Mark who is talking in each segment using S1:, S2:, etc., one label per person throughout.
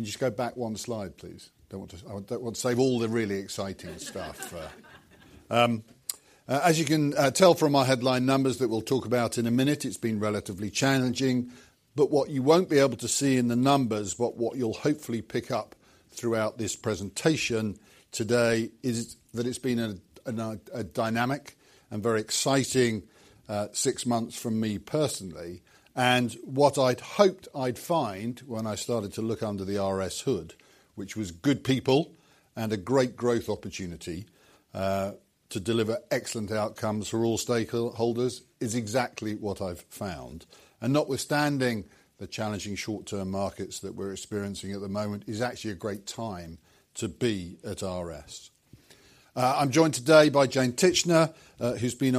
S1: Can you just go back one slide, please? Don't want to, don't want to save all the really exciting stuff. As you can tell from our headline numbers that we'll talk about in a minute, it's been relatively challenging. But what you won't be able to see in the numbers, but what you'll hopefully pick up throughout this presentation today, is that it's been a dynamic and very exciting six months from me personally. And what I'd hoped I'd find when I started to look under the RS hood, which was good people and a great growth opportunity to deliver excellent outcomes for all stakeholders, is exactly what I've found. And notwithstanding the challenging short-term markets that we're experiencing at the moment, is actually a great time to be at RS. I'm joined today by Jane Titchener, who's been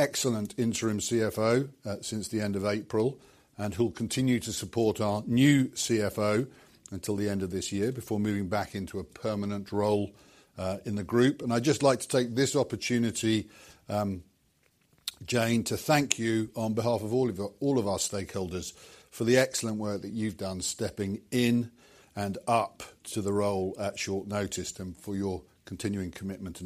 S1: our excellent interim CFO since the end of April, and who'll continue to support our new CFO until the end of this year, before moving back into a permanent role in the group. I'd just like to take this opportunity, Jane, to thank you on behalf of all of our stakeholders, for the excellent work that you've done, stepping in and up to the role at short notice, and for your continuing commitment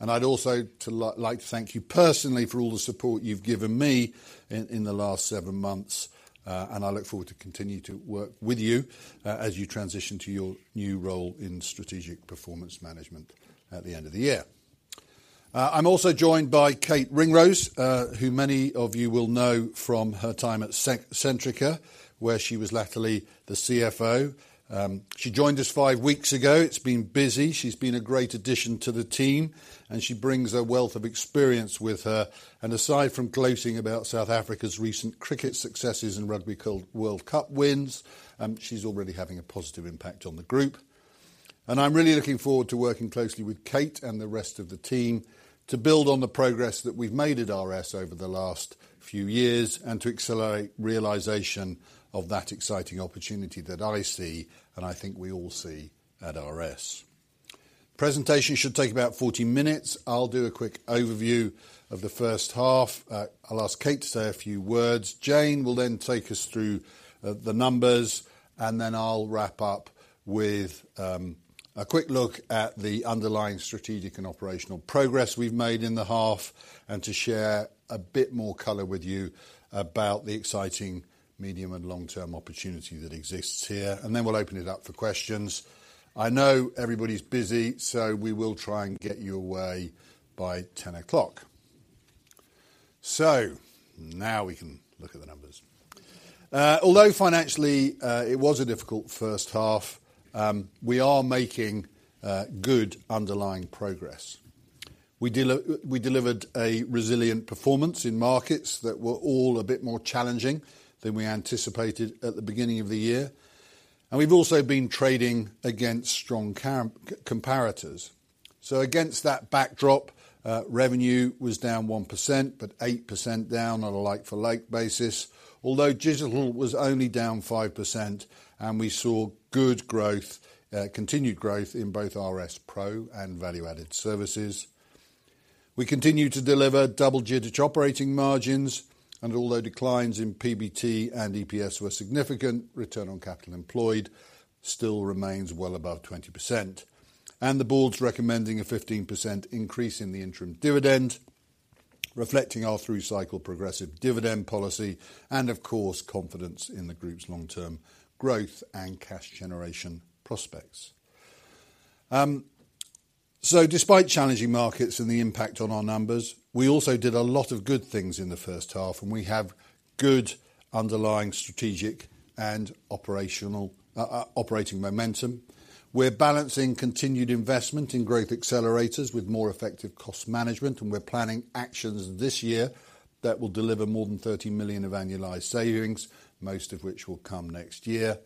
S1: and enthusiasm. I'd also like to thank you personally for all the support you've given me in the last seven months, and I look forward to continue to work with you as you transition to your new role in strategic performance management at the end of the year. I'm also joined by Kate Ringrose, who many of you will know from her time at Centrica, where she was latterly the CFO. She joined us five weeks ago. It's been busy. She's been a great addition to the team, and she brings a wealth of experience with her. Aside from gloating about South Africa's recent cricket successes and Rugby World Cup wins, she's already having a positive impact on the group. I'm really looking forward to working closely with Kate and the rest of the team, to build on the progress that we've made at RS over the last few years, and to accelerate realization of that exciting opportunity that I see, and I think we all see at RS. Presentation should take about 40 minutes. I'll do a quick overview of the first half. I'll ask Kate to say a few words. Jane will then take us through the numbers, and then I'll wrap up with a quick look at the underlying strategic and operational progress we've made in the half, and to share a bit more color with you about the exciting medium and long-term opportunity that exists here. And then we'll open it up for questions. I know everybody's busy, so we will try and get you away by ten o'clock. So now we can look at the numbers. Although financially, it was a difficult first half, we are making good underlying progress. We delivered a resilient performance in markets that were all a bit more challenging than we anticipated at the beginning of the year, and we've also been trading against strong comparators. Against that backdrop, revenue was down 1%, but 8% down on a like-for-like basis, although digital was only down 5%, and we saw good growth, continued growth, in both RS PRO and value-added services. We continued to deliver double-digit operating margins, and although declines in PBT and EPS were significant, return on capital employed still remains well above 20%. The board's recommending a 15% increase in the interim dividend, reflecting our through cycle progressive dividend policy, and of course, confidence in the group's long-term growth and cash generation prospects. Despite challenging markets and the impact on our numbers, we also did a lot of good things in the first half, and we have good underlying strategic and operational operating momentum. We're balancing continued investment in growth accelerators with more effective cost management, and we're planning actions this year that will deliver more than 13 million of annualized savings, most of which will come next year.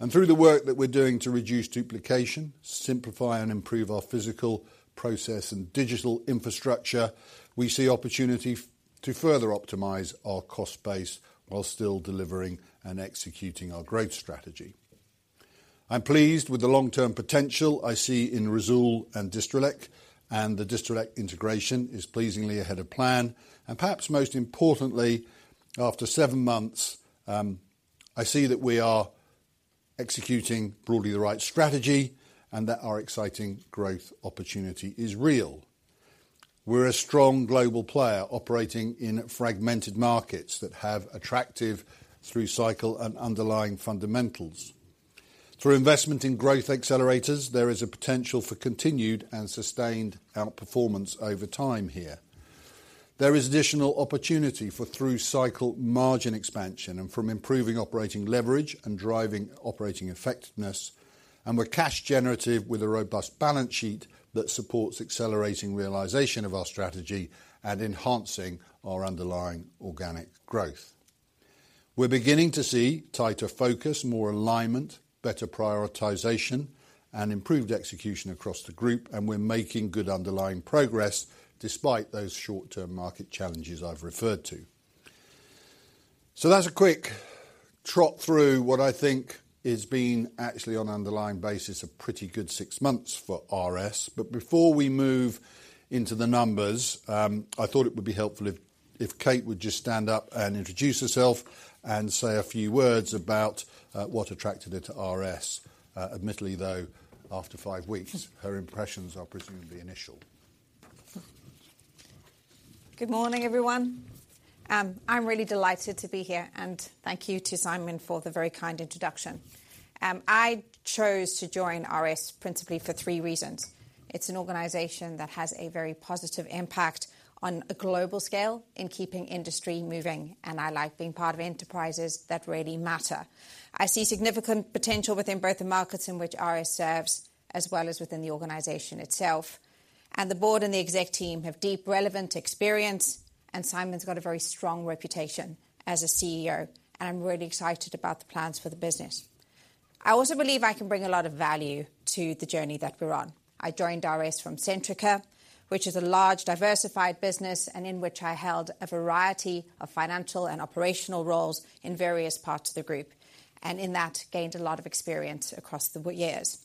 S1: And through the work that we're doing to reduce duplication, simplify and improve our physical process and digital infrastructure, we see opportunity to further optimize our cost base, while still delivering and executing our growth strategy. I'm pleased with the long-term potential I see in Risoul and Distrelec, and the Distrelec integration is pleasingly ahead of plan. And perhaps most importantly, after seven months, I see that we are executing broadly the right strategy and that our exciting growth opportunity is real. We're a strong global player, operating in fragmented markets that have attractive through cycle and underlying fundamentals. Through investment in growth accelerators, there is a potential for continued and sustained outperformance over time here. There is additional opportunity for through cycle margin expansion, and from improving operating leverage and driving operating effectiveness, and we're cash generative with a robust balance sheet that supports accelerating realization of our strategy and enhancing our underlying organic growth. We're beginning to see tighter focus, more alignment, better prioritization and improved execution across the group, and we're making good underlying progress, despite those short-term market challenges I've referred to. So that's a quick trot through what I think has been actually, on underlying basis, a pretty good six months for RS. But before we move into the numbers, I thought it would be helpful if Kate would just stand up and introduce herself and say a few words about what attracted her to RS. Admittedly, though, after five weeks, her impressions are presumably initial.
S2: Good morning, everyone. I'm really delighted to be here, and thank you to Simon for the very kind introduction. I chose to join RS principally for three reasons. It's an organization that has a very positive impact on a global scale in keeping industry moving, and I like being part of enterprises that really matter. I see significant potential within both the markets in which RS serves, as well as within the organization itself, and the board and the exec team have deep, relevant experience, and Simon's got a very strong reputation as a CEO, and I'm really excited about the plans for the business. I also believe I can bring a lot of value to the journey that we're on. I joined RS from Centrica, which is a large, diversified business, and in which I held a variety of financial and operational roles in various parts of the group, and in that, gained a lot of experience across the years.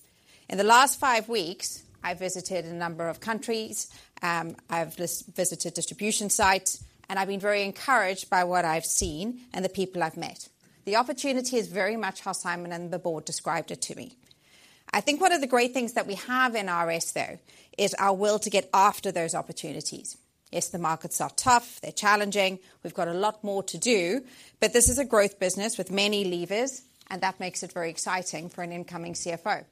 S2: In the last five weeks, I visited a number of countries, I've visited distribution sites, and I've been very encouraged by what I've seen and the people I've met. The opportunity is very much how Simon and the board described it to me. I think one of the great things that we have in RS, though, is our will to get after those opportunities. Yes, the markets are tough, they're challenging, we've got a lot more to do, but this is a growth business with many levers, and that makes it very exciting for an incoming CFO.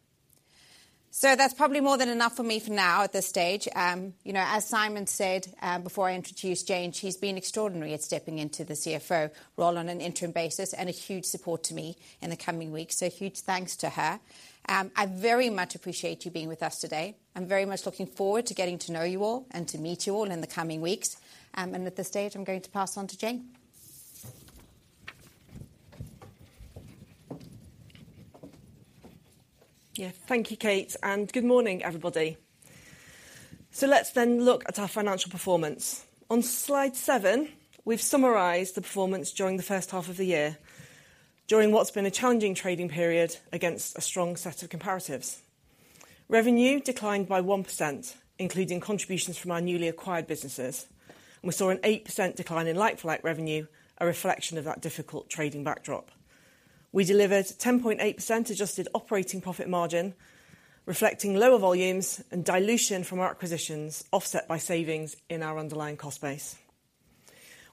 S2: So that's probably more than enough for me for now at this stage. You know, as Simon said, before I introduce Jane, she's been extraordinary at stepping into the CFO role on an interim basis and a huge support to me in the coming weeks. So a huge thanks to her. I very much appreciate you being with us today. I'm very much looking forward to getting to know you all and to meet you all in the coming weeks. And at this stage, I'm going to pass on to Jane.
S3: Yeah. Thank you, Kate, and good morning, everybody. So let's then look at our financial performance. On Slide 7, we've summarized the performance during the first half of the year, during what's been a challenging trading period against a strong set of comparatives. Revenue declined by 1%, including contributions from our newly acquired businesses. We saw an 8% decline in like-for-like revenue, a reflection of that difficult trading backdrop. We delivered 10.8% adjusted operating profit margin, reflecting lower volumes and dilution from our acquisitions, offset by savings in our underlying cost base.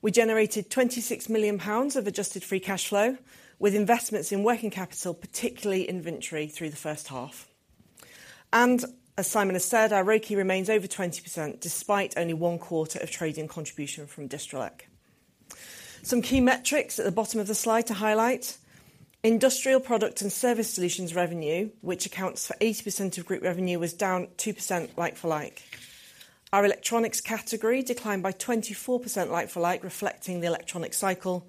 S3: We generated 26 million pounds of adjusted free cash flow, with investments in working capital, particularly inventory, through the first half. And as Simon has said, our ROCE remains over 20%, despite only 1 quarter of trading contribution from Distrelec. Some key metrics at the bottom of the slide to highlight: Industrial Product and Service Solutions revenue, which accounts for 80% of group revenue, was down 2% like for like. Our electronics category declined by 24% like for like, reflecting the electronic cycle.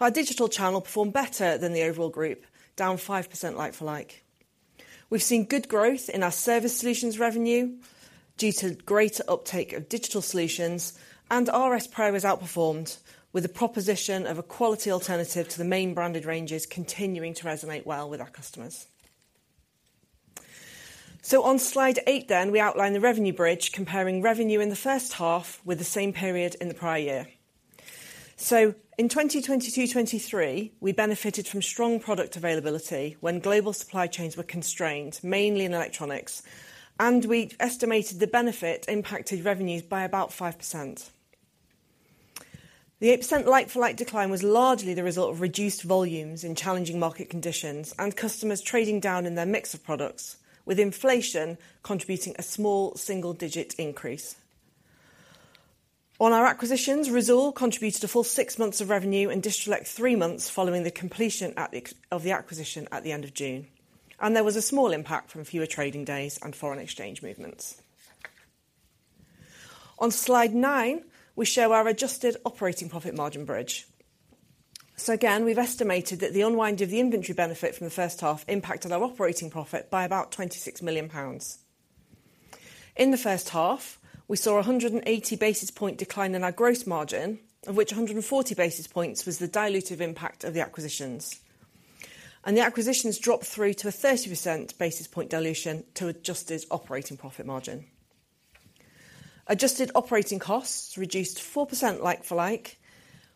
S3: Our digital channel performed better than the overall group, down 5% like for like. We've seen good growth in our service solutions revenue due to greater uptake of digital solutions, and RS PRO has outperformed with the proposition of a quality alternative to the main branded ranges, continuing to resonate well with our customers. On Slide 8, we outline the revenue bridge, comparing revenue in the first half with the same period in the prior year. So in 2022, 2023, we benefited from strong product availability when global supply chains were constrained, mainly in electronics, and we estimated the benefit impacted revenues by about 5%. The 8% like-for-like decline was largely the result of reduced volumes in challenging market conditions and customers trading down in their mix of products, with inflation contributing a small single-digit increase. On our acquisitions, Risoul contributed a full 6 months of revenue and Distrelec 3 months following the completion of the acquisition at the end of June, and there was a small impact from fewer trading days and foreign exchange movements. On Slide 9, we show our adjusted operating profit margin bridge. So again, we've estimated that the unwind of the inventory benefit from the first half impacted our operating profit by about 26 million pounds. In the first half, we saw a 180 basis point decline in our gross margin, of which 140 basis points was the dilutive impact of the acquisitions. The acquisitions dropped through to a 30 percentage point dilution to adjusted operating profit margin. Adjusted operating costs reduced 4% like for like.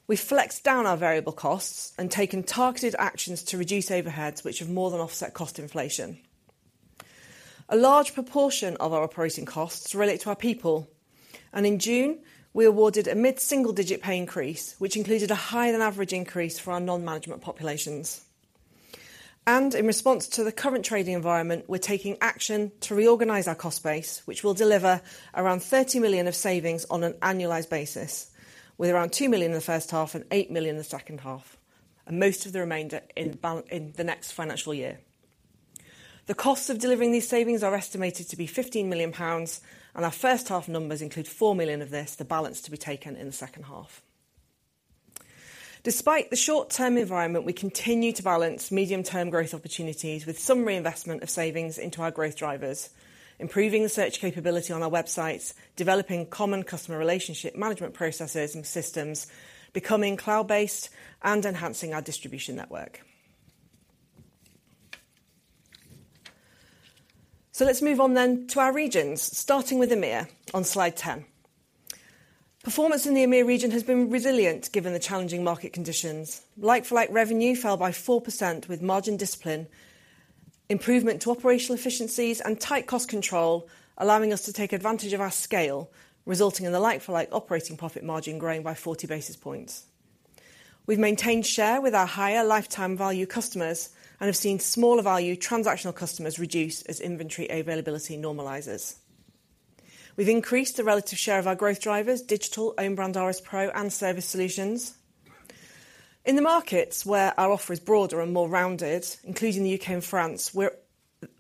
S3: We flexed down our variable costs and taken targeted actions to reduce overheads, which have more than offset cost inflation. A large proportion of our operating costs relate to our people, and in June, we awarded a mid-single-digit pay increase, which included a higher-than-average increase for our non-management populations. In response to the current trading environment, we're taking action to reorganize our cost base, which will deliver around 30 million of savings on an annualized basis, with around 2 million in the first half and 8 million in the second half, and most of the remainder in the next financial year. The costs of delivering these savings are estimated to be 15 million pounds, and our first half numbers include 4 million of this, the balance to be taken in the second half. Despite the short-term environment, we continue to balance medium-term growth opportunities with some reinvestment of savings into our growth drivers, improving the search capability on our websites, developing common customer relationship management processes and systems, becoming cloud-based, and enhancing our distribution network. Let's move on then to our regions, starting with EMEA on slide 10. Performance in the EMEA region has been resilient, given the challenging market conditions. Like-for-like revenue fell by 4% with margin discipline, improvement to operational efficiencies and tight cost control, allowing us to take advantage of our scale, resulting in the like-for-like operating profit margin growing by 40 basis points. We've maintained share with our higher lifetime value customers and have seen smaller value transactional customers reduce as inventory availability normalizes. We've increased the relative share of our growth drivers, digital, own brand RS PRO and service solutions. In the markets where our offer is broader and more rounded, including the UK and France, where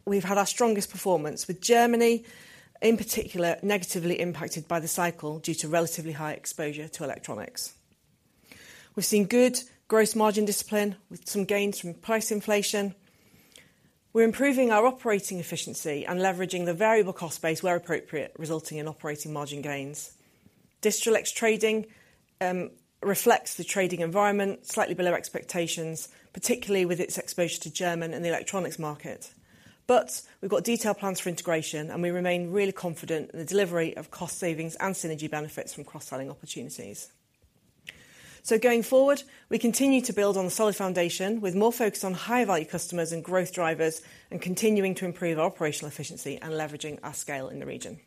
S3: we've had our strongest performance, with Germany in particular, negatively impacted by the cycle due to relatively high exposure to electronics. We've seen good gross margin discipline with some gains from price inflation. We're improving our operating efficiency and leveraging the variable cost base where appropriate, resulting in operating margin gains. Distrelec's trading reflects the trading environment slightly below expectations, particularly with its exposure to Germany and the electronics market. But we've got detailed plans for integration, and we remain really confident in the delivery of cost savings and synergy benefits from cross-selling opportunities. So going forward, we continue to build on a solid foundation with more focus on higher value customers and growth drivers, and continuing to improve our operational efficiency and leveraging our scale in the region.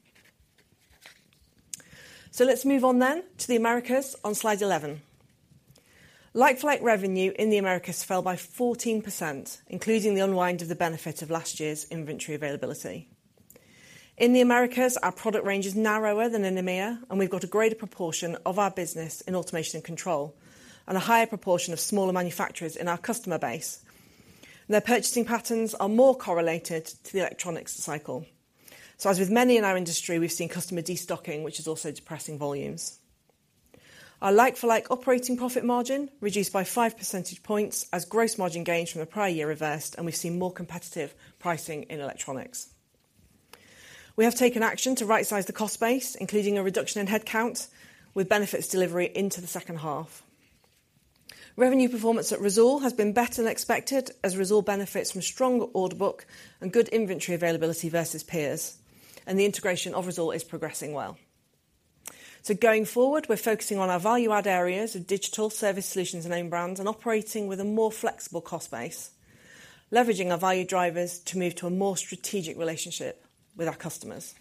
S3: So let's move on then to the Americas on slide 11. Like-for-like revenue in the Americas fell by 14%, including the unwind of the benefit of last year's inventory availability. In the Americas, our product range is narrower than in EMEA, and we've got a greater proportion of our business in automation and control, and a higher proportion of smaller manufacturers in our customer base. Their purchasing patterns are more correlated to the electronics cycle. So as with many in our industry, we've seen customer destocking, which is also depressing volumes. Our like-for-like operating profit margin reduced by five percentage points as gross margin gains from the prior year reversed, and we've seen more competitive pricing in electronics. We have taken action to rightsize the cost base, including a reduction in headcount, with benefits delivery into the second half. Revenue performance at Risoul has been better than expected, as Risoul benefits from stronger order book and good inventory availability versus peers, and the integration of Risoul is progressing well. So going forward, we're focusing on our value-add areas of digital, service solutions and own brands, and operating with a more flexible cost base, leveraging our value drivers to move to a more strategic relationship with our customers.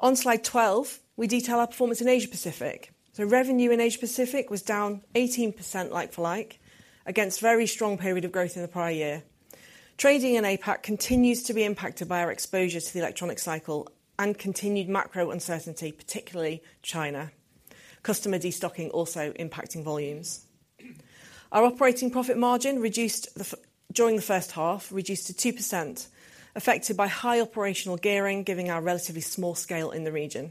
S3: On slide 12, we detail our performance in Asia Pacific. So revenue in Asia Pacific was down 18% like-for-like, against very strong period of growth in the prior year. Trading in APAC continues to be impacted by our exposure to the electronic cycle and continued macro uncertainty, particularly China. Customer destocking also impacting volumes. Our operating profit margin reduced to 2% during the first half, affected by high operational gearing, given our relatively small scale in the region.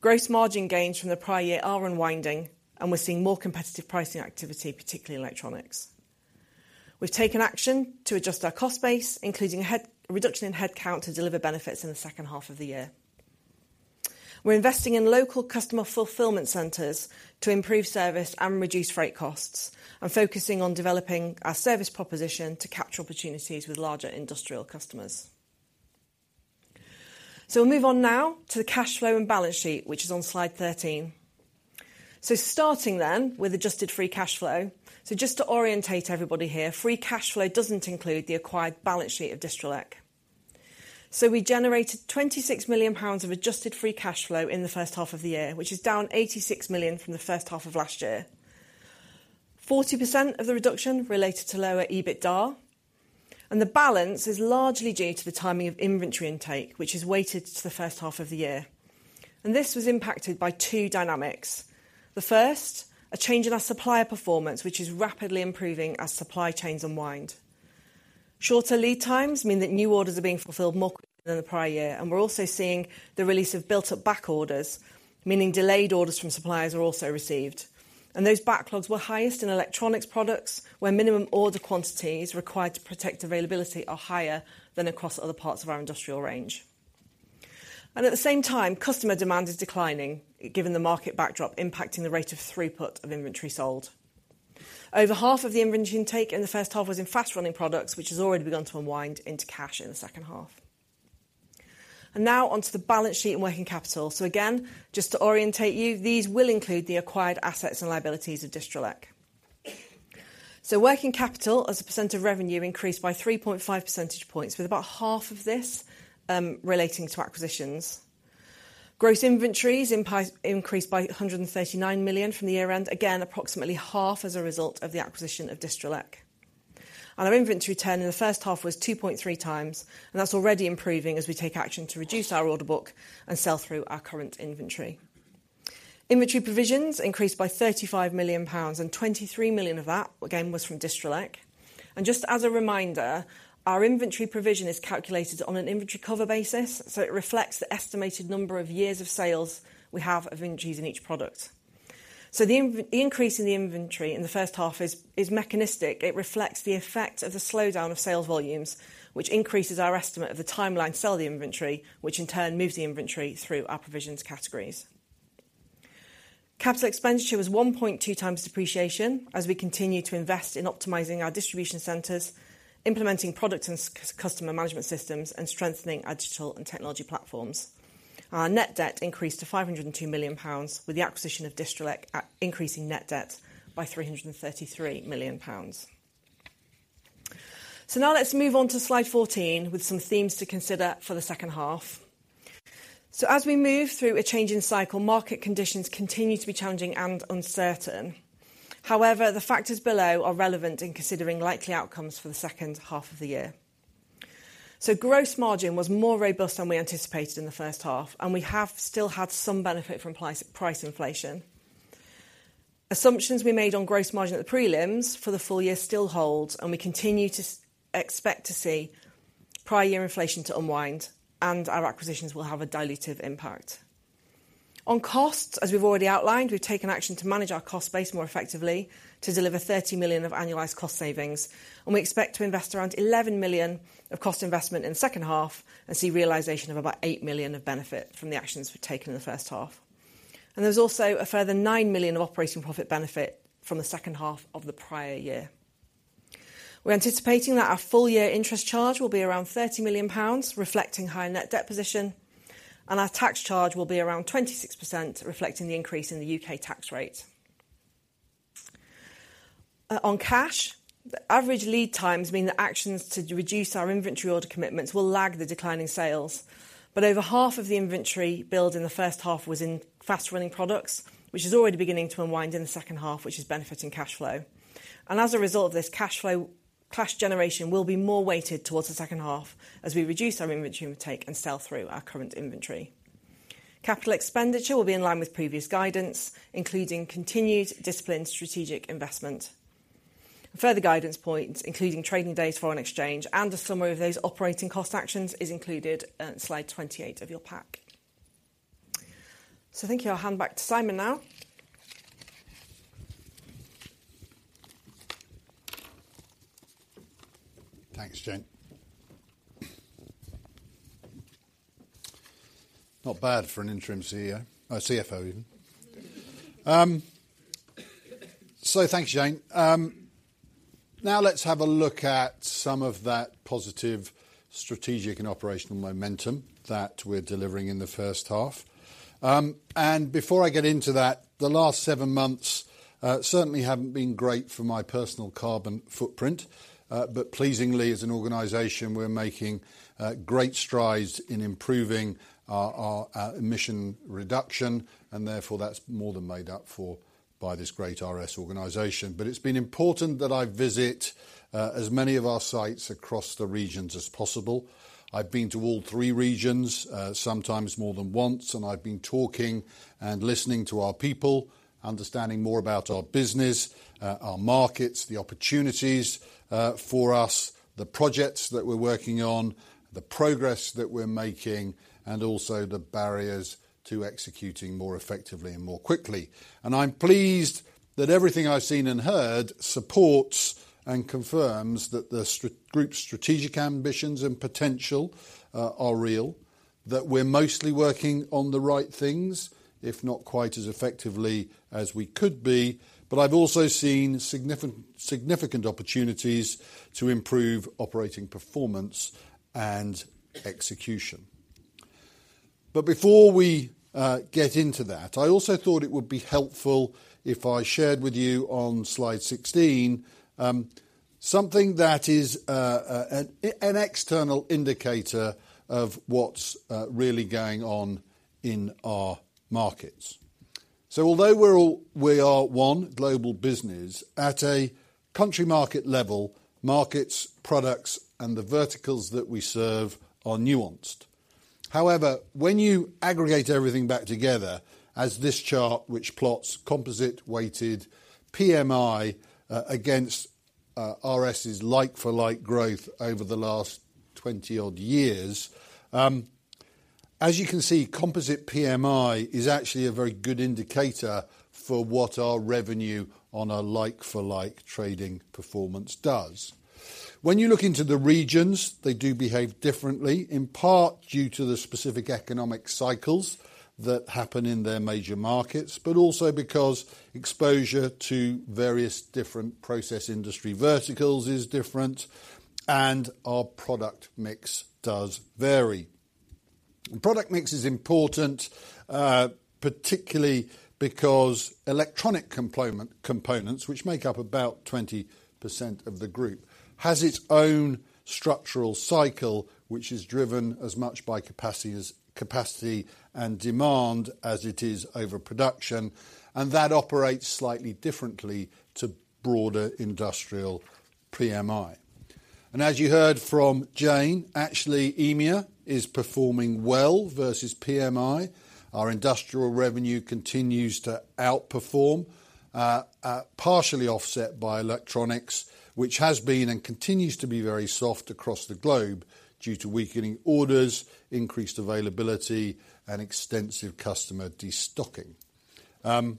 S3: Gross margin gains from the prior year are unwinding, and we're seeing more competitive pricing activity, particularly in electronics. We've taken action to adjust our cost base, including a reduction in headcount to deliver benefits in the second half of the year. We're investing in local customer fulfillment centers to improve service and reduce freight costs, and focusing on developing our service proposition to capture opportunities with larger industrial customers. So we'll move on now to the cash flow and balance sheet, which is on slide 13. So starting then with adjusted free cash flow. So just to orientate everybody here, free cash flow doesn't include the acquired balance sheet of Distrelec. So we generated 26 million pounds of adjusted free cash flow in the first half of the year, which is down 86 million from the first half of last year. 40% of the reduction related to lower EBITDA, and the balance is largely due to the timing of inventory intake, which is weighted to the first half of the year. This was impacted by two dynamics: The first, a change in our supplier performance, which is rapidly improving as supply chains unwind. Shorter lead times mean that new orders are being fulfilled more quickly than the prior year, and we're also seeing the release of built-up back orders, meaning delayed orders from suppliers are also received. Those backlogs were highest in electronics products, where minimum order quantities required to protect availability are higher than across other parts of our industrial range. At the same time, customer demand is declining, given the market backdrop impacting the rate of throughput of inventory sold. Over half of the inventory intake in the first half was in fast-running products, which has already begun to unwind into cash in the second half. And now on to the balance sheet and working capital. So again, just to orientate you, these will include the acquired assets and liabilities of Distrelec. So working capital as a percent of revenue increased by 3.5 percentage points, with about half of this relating to acquisitions. Gross inventories increased by £139 million from the year-end, again, approximately half as a result of the acquisition of Distrelec. And our inventory turn in the first half was 2.3 times, and that's already improving as we take action to reduce our order book and sell through our current inventory. Inventory provisions increased by £35 million, and £23 million of that, again, was from Distrelec. And just as a reminder, our inventory provision is calculated on an inventory cover basis, so it reflects the estimated number of years of sales we have of inventories in each product. So the increase in the inventory in the first half is mechanistic. It reflects the effect of the slowdown of sales volumes, which increases our estimate of the timeline to sell the inventory, which in turn moves the inventory through our provisions categories. Capital expenditure was 1.2 times depreciation as we continue to invest in optimizing our distribution centers, implementing product and customer management systems, and strengthening our digital and technology platforms. Our net debt increased to 502 million pounds, with the acquisition of Distrelec increasing net debt by 333 million pounds. So now let's move on to slide 14, with some themes to consider for the second half. So as we move through a changing cycle, market conditions continue to be challenging and uncertain. However, the factors below are relevant in considering likely outcomes for the second half of the year. So gross margin was more robust than we anticipated in the first half, and we have still had some benefit from price inflation. Assumptions we made on gross margin at the prelims for the full year still hold, and we continue to expect to see prior year inflation to unwind, and our acquisitions will have a dilutive impact. On costs, as we've already outlined, we've taken action to manage our cost base more effectively to deliver 30 million of annualized cost savings, and we expect to invest around 11 million of cost investment in the second half and see realization of about 8 million of benefit from the actions we've taken in the first half. There's also a further 9 million of operating profit benefit from the second half of the prior year. We're anticipating that our full-year interest charge will be around 30 million pounds, reflecting higher net debt position, and our tax charge will be around 26%, reflecting the increase in the UK tax rate. On cash, the average lead times mean that actions to reduce our inventory order commitments will lag the declining sales, but over half of the inventory build in the first half was in fast-running products, which is already beginning to unwind in the second half, which is benefiting cash flow. And as a result of this cash flow, cash generation will be more weighted towards the second half as we reduce our inventory take and sell through our current inventory. Capital expenditure will be in line with previous guidance, including continued disciplined strategic investment. Further guidance points, including trading days, foreign exchange, and a summary of those operating cost actions, is included at slide 28 of your pack. So thank you. I'll hand back to Simon now.
S1: Thanks, Jane. Not bad for an interim CEO, CFO, even. So thanks, Jane. Now let's have a look at some of that positive strategic and operational momentum that we're delivering in the first half. Before I get into that, the last seven months certainly haven't been great for my personal carbon footprint, but pleasingly, as an organization, we're making great strides in improving our emission reduction, and therefore, that's more than made up for by this great RS organization. But it's been important that I visit as many of our sites across the regions as possible. I've been to all three regions, sometimes more than once, and I've been talking and listening to our people, understanding more about our business, our markets, the opportunities for us, the projects that we're working on, the progress that we're making, and also the barriers to executing more effectively and more quickly. And I'm pleased that everything I've seen and heard supports and confirms that the RS Group's strategic ambitions and potential are real, that we're mostly working on the right things, if not quite as effectively as we could be, but I've also seen significant, significant opportunities to improve operating performance and execution. But before we get into that, I also thought it would be helpful if I shared with you on slide 16 something that is an external indicator of what's really going on in our markets. So although we are one global business, at a country market level, markets, products, and the verticals that we serve are nuanced. However, when you aggregate everything back together, as this chart, which plots composite PMI against RS's like-for-like growth over the last 20-odd years, as you can see, composite PMI is actually a very good indicator for what our revenue on our like-for-like trading performance does. When you look into the regions, they do behave differently, in part due to the specific economic cycles that happen in their major markets, but also because exposure to various different process industry verticals is different, and our product mix does vary. Product mix is important, particularly because electronic components, which make up about 20% of the group, has its own structural cycle, which is driven as much by capacity and demand as it is over production, and that operates slightly differently to broader industrial PMI. As you heard from Jane, actually, EMEA is performing well versus PMI. Our industrial revenue continues to outperform, partially offset by electronics, which has been and continues to be very soft across the globe due to weakening orders, increased availability, and extensive customer destocking. In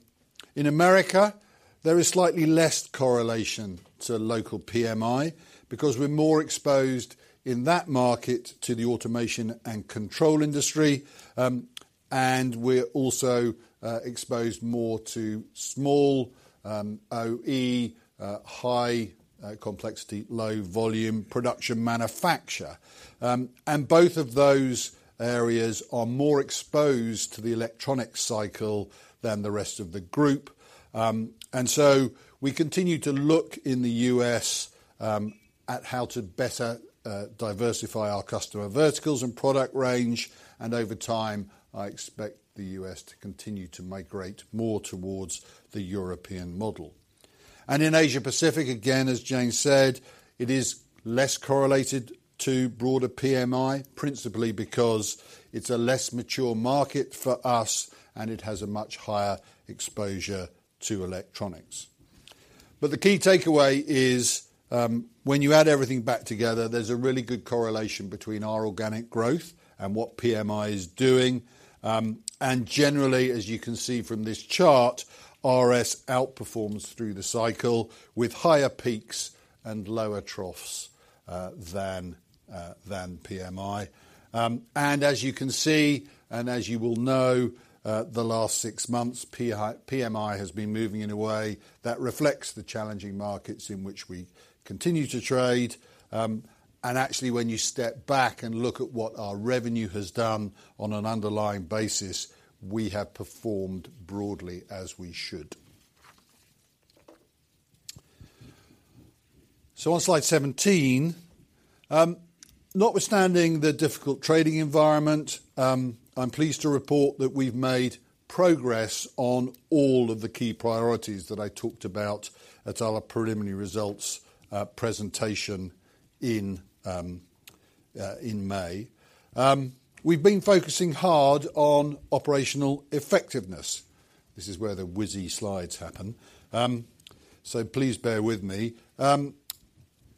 S1: the Americas, there is slightly less correlation to local PMI because we're more exposed in that market to the automation and control industry, and we're also exposed more to small OE high complexity low volume production manufacture. Both of those areas are more exposed to the electronic cycle than the rest of the group. So we continue to look in the U.S., at how to better diversify our customer verticals and product range, and over time, I expect the U.S. to continue to migrate more towards the European model. In Asia Pacific, again, as Jane said, it is less correlated to broader PMI, principally because it's a less mature market for us, and it has a much higher exposure to electronics. The key takeaway is, when you add everything back together, there's a really good correlation between our organic growth and what PMI is doing. Generally, as you can see from this chart, RS outperforms through the cycle with higher peaks and lower troughs than PMI. And as you can see, and as you will know, the last six months, PMI has been moving in a way that reflects the challenging markets in which we continue to trade. And actually, when you step back and look at what our revenue has done on an underlying basis, we have performed broadly as we should. So on slide 17, notwithstanding the difficult trading environment, I'm pleased to report that we've made progress on all of the key priorities that I talked about at our preliminary results presentation in May. We've been focusing hard on operational effectiveness. This is where the whizzy slides happen. So please bear with me.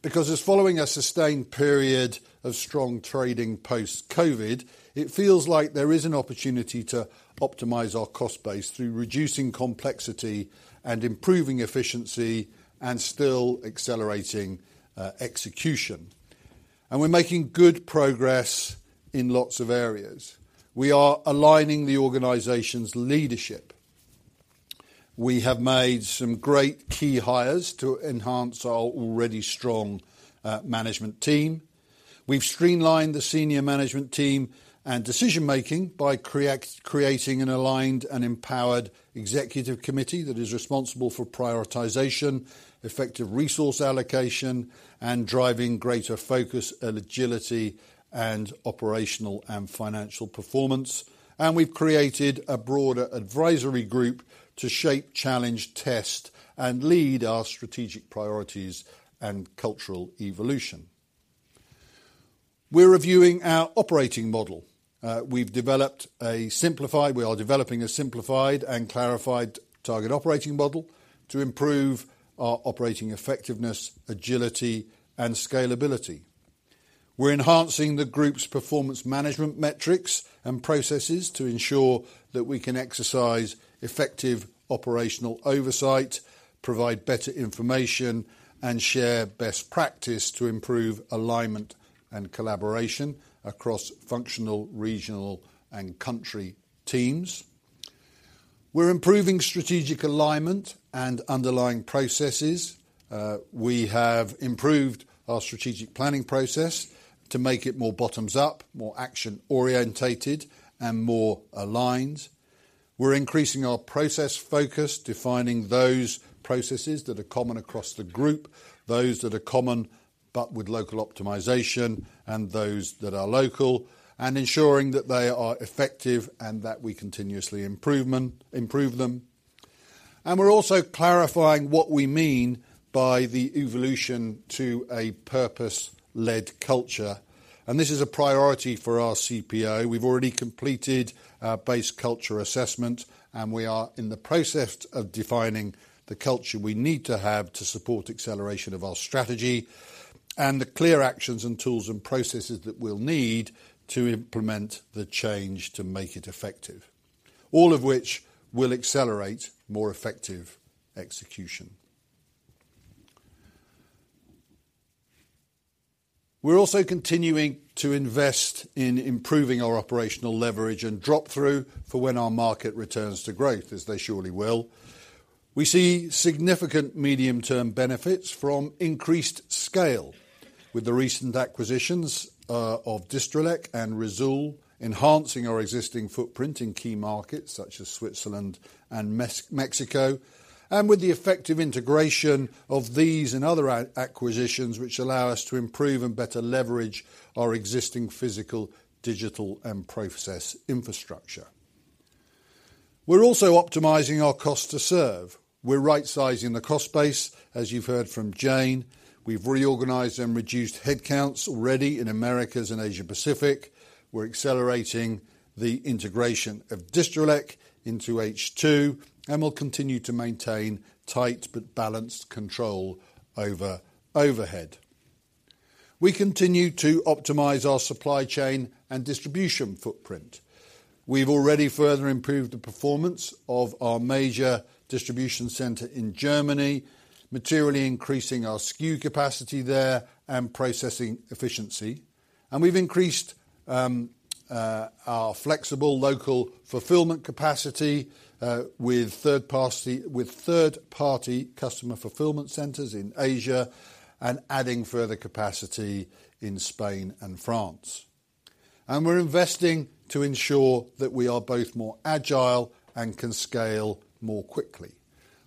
S1: Because, as following a sustained period of strong trading post-COVID, it feels like there is an opportunity to optimize our cost base through reducing complexity and improving efficiency, and still accelerating execution. We're making good progress in lots of areas. We are aligning the organization's leadership. We have made some great key hires to enhance our already strong management team. We've streamlined the senior management team and decision making by creating an aligned and empowered executive committee that is responsible for prioritization, effective resource allocation, and driving greater focus and agility and operational and financial performance. We've created a broader advisory group to shape, challenge, test, and lead our strategic priorities and cultural evolution. We're reviewing our operating model. We are developing a simplified and clarified target operating model to improve our operating effectiveness, agility, and scalability. We're enhancing the group's performance management metrics and processes to ensure that we can exercise effective operational oversight, provide better information, and share best practice to improve alignment and collaboration across functional, regional, and country teams. We're improving strategic alignment and underlying processes. We have improved our strategic planning process to make it more bottoms up, more action-oriented, and more aligned. We're increasing our process focus, defining those processes that are common across the group, those that are common but with local optimization, and those that are local, and ensuring that they are effective and that we continuously improve them. We're also clarifying what we mean by the evolution to a purpose-led culture, and this is a priority for our CPO. We've already completed our base culture assessment, and we are in the process of defining the culture we need to have to support acceleration of our strategy, and the clear actions and tools and processes that we'll need to implement the change to make it effective, all of which will accelerate more effective execution. We're also continuing to invest in improving our operational leverage and drop-through for when our market returns to growth, as they surely will. We see significant medium-term benefits from increased scale with the recent acquisitions of Distrelec and Risoul, enhancing our existing footprint in key markets such as Switzerland and Mexico, and with the effective integration of these and other acquisitions, which allow us to improve and better leverage our existing physical, digital, and process infrastructure. We're also optimizing our cost to serve. We're right sizing the cost base. As you've heard from Jane, we've reorganized and reduced headcounts already in Americas and Asia Pacific. We're accelerating the integration of Distrelec into H2, and we'll continue to maintain tight but balanced control over overhead. We continue to optimize our supply chain and distribution footprint. We've already further improved the performance of our major distribution center in Germany, materially increasing our SKU capacity there and processing efficiency. And we've increased our flexible local fulfillment capacity with third-party customer fulfillment centers in Asia, and adding further capacity in Spain and France. And we're investing to ensure that we are both more agile and can scale more quickly.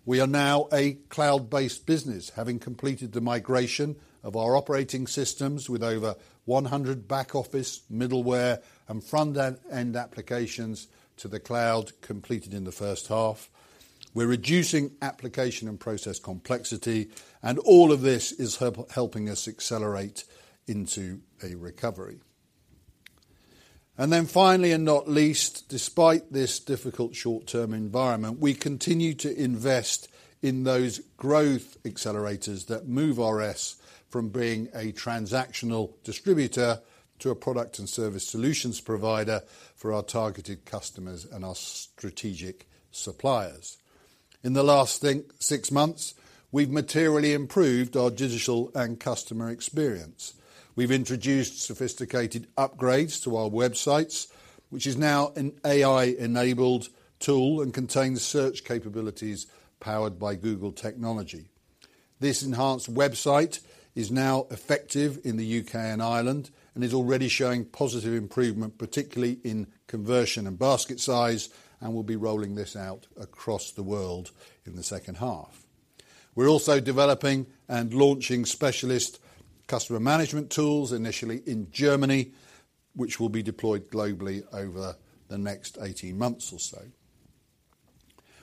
S1: We are now a cloud-based business, having completed the migration of our operating systems with over 100 back-office, middleware, and front-end applications to the cloud, completed in the first half. We're reducing application and process complexity, and all of this is helping us accelerate into a recovery. Then finally, and not least, despite this difficult short-term environment, we continue to invest in those growth accelerators that move RS from being a transactional distributor to a product and service solutions provider for our targeted customers and our strategic suppliers. In the last six months, we've materially improved our digital and customer experience. We've introduced sophisticated upgrades to our websites, which is now an AI-enabled tool and contains search capabilities powered by Google technology. This enhanced website is now effective in the UK and Ireland, and is already showing positive improvement, particularly in conversion and basket size, and we'll be rolling this out across the world in the second half. We're also developing and launching specialist customer management tools, initially in Germany, which will be deployed globally over the next 18 months or so.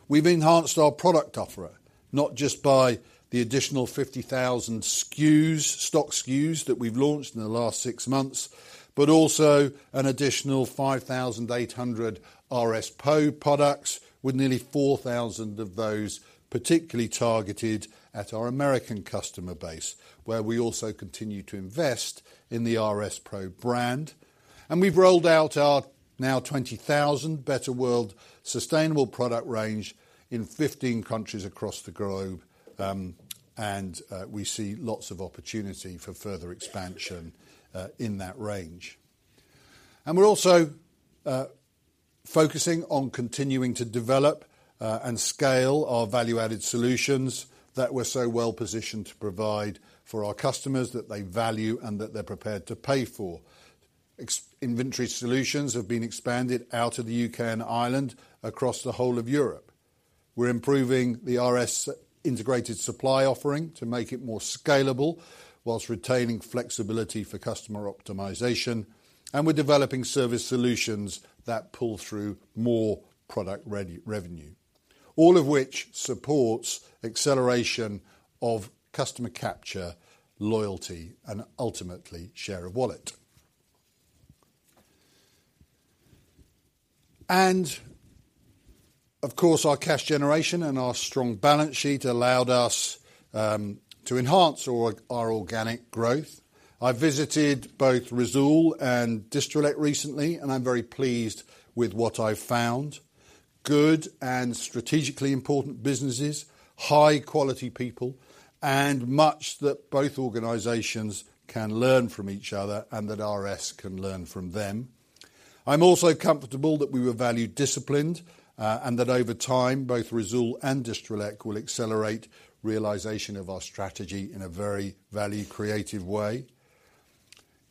S1: We've enhanced our product offering, not just by the additional 50,000 SKUs, stock SKUs, that we've launched in the last six months, but also an additional 5,800 RS PRO products, with nearly 4,000 of those particularly targeted at our American customer base, where we also continue to invest in the RS PRO brand. We've rolled out our now 20,000 Better World sustainable product range in 15 countries across the globe, and we see lots of opportunity for further expansion in that range. We're also focusing on continuing to develop and scale our value-added solutions that we're so well positioned to provide for our customers that they value and that they're prepared to pay for. Ex-inventory solutions have been expanded out of the UK and Ireland across the whole of Europe. We're improving the RS Integrated Supply offering to make it more scalable while retaining flexibility for customer optimization, and we're developing service solutions that pull through more product revenue. All of which supports acceleration of customer capture, loyalty, and ultimately, share of wallet. And, of course, our cash generation and our strong balance sheet allowed us to enhance our organic growth. I visited both Risoul and Distrelec recently, and I'm very pleased with what I found. Good and strategically important businesses, high-quality people, and much that both organizations can learn from each other, and that RS can learn from them. I'm also comfortable that we were value-disciplined, and that over time, both Risoul and Distrelec will accelerate realization of our strategy in a very value-creative way.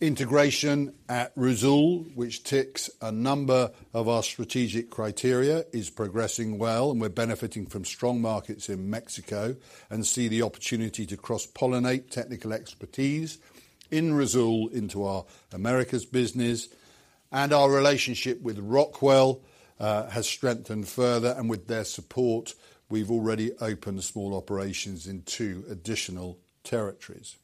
S1: Integration at Risoul, which ticks a number of our strategic criteria, is progressing well, and we're benefiting from strong markets in Mexico, and see the opportunity to cross-pollinate technical expertise in Risoul into our Americas business. And our relationship with Rockwell has strengthened further, and with their support, we've already opened small operations in two additional territories.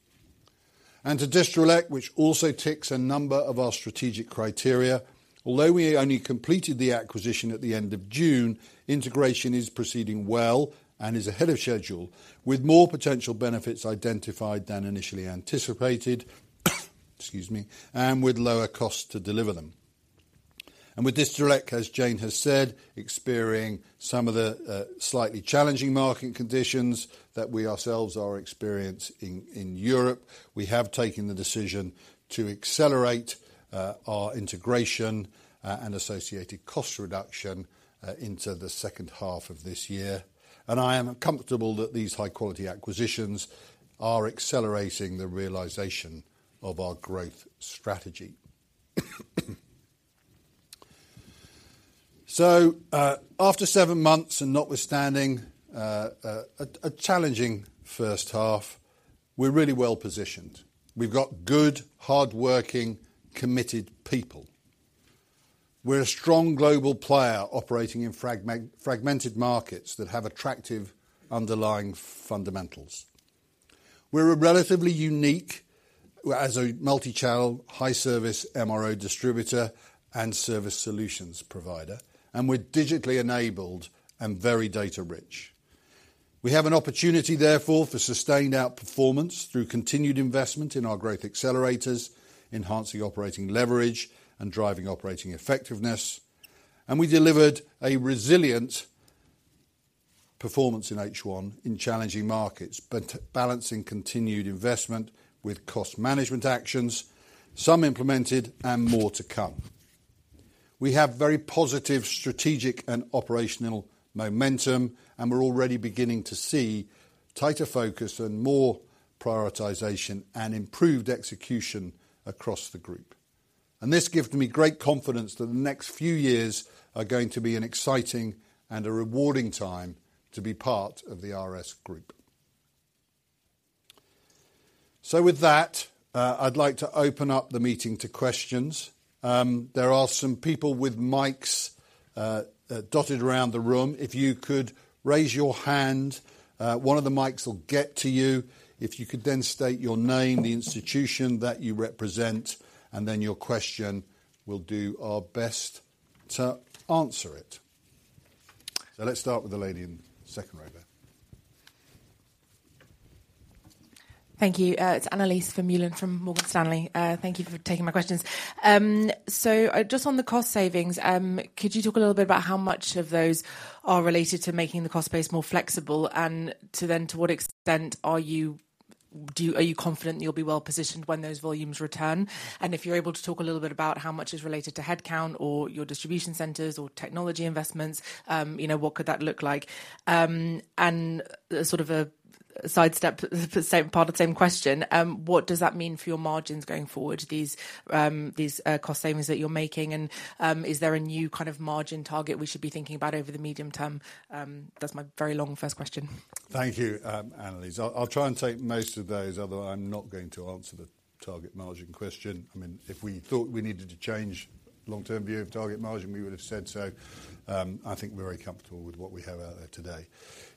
S1: To Distrelec, which also ticks a number of our strategic criteria, although we only completed the acquisition at the end of June, integration is proceeding well and is ahead of schedule, with more potential benefits identified than initially anticipated, excuse me, and with lower cost to deliver them. With Distrelec, as Jane has said, experiencing some of the slightly challenging market conditions that we ourselves are experiencing in Europe, we have taken the decision to accelerate our integration and associated cost reduction into the second half of this year. I am comfortable that these high-quality acquisitions are accelerating the realization of our growth strategy. So, after seven months, and notwithstanding a challenging first half, we're really well positioned. We've got good, hardworking, committed people. We're a strong global player operating in fragmented markets that have attractive underlying fundamentals. We're relatively unique as a multi-channel, high-service MRO distributor and service solutions provider, and we're digitally enabled and very data rich. We have an opportunity, therefore, for sustained outperformance through continued investment in our growth accelerators, enhancing operating leverage, and driving operating effectiveness. We delivered a resilient performance in H1 in challenging markets, but balancing continued investment with cost management actions, some implemented and more to come. We have very positive strategic and operational momentum, and we're already beginning to see tighter focus and more prioritization and improved execution across the group. This gives me great confidence that the next few years are going to be an exciting and a rewarding time to be part of the RS Group. So with that, I'd like to open up the meeting to questions. There are some people with mics dotted around the room. If you could raise your hand, one of the mics will get to you. If you could then state your name, the institution that you represent, and then your question, we'll do our best to answer it. Let's start with the lady in the second row there.
S4: Thank you. It's Annelies Vermeulen from Morgan Stanley. Thank you for taking my questions. So, just on the cost savings, could you talk a little bit about how much of those are related to making the cost base more flexible? And to then, to what extent are you- do you- are you confident you'll be well positioned when those volumes return? And if you're able to talk a little bit about how much is related to headcount or your distribution centers or technology investments, you know, what could that look like? And sort of a sidestep, same, part of the same question, what does that mean for your margins going forward, these, these, cost savings that you're making? And, is there a new kind of margin target we should be thinking about over the medium term? That's my very long first question.
S1: Thank you, Annelies. I'll try and take most of those, although I'm not going to answer the target margin question. I mean, if we thought we needed to change long-term view of target margin, we would have said so. I think we're very comfortable with what we have out there today.